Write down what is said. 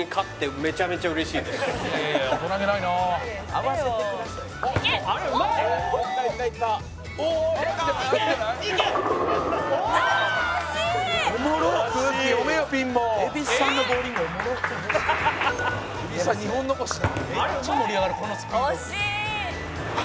「めっちゃ盛り上がるこのスピード」